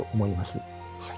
はい。